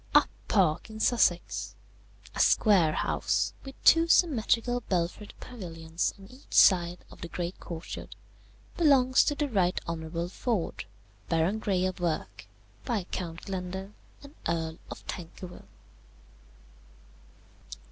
"Up Park, in Sussex, a square house, with two symmetrical belfried pavilions on each side of the great courtyard, belongs to the Right Honourable Forde, Baron Grey of Werke, Viscount Glendale and Earl of Tankerville.